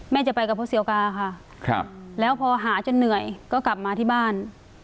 จะไปกับพระเสียวกาค่ะแล้วพอหาจนเหนื่อยก็กลับมาที่บ้าน